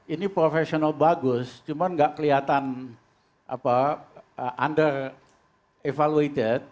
ini professional bagus cuman gak keliatan under evaluated